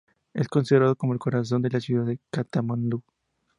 Es considerado como el corazón de la ciudad de Katmandú.